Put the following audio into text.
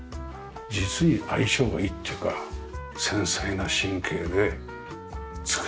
実に相性がいいっていうか繊細な神経で作り上げてるって感じします。